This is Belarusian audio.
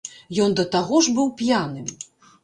Ён да таго ж быў п'яным.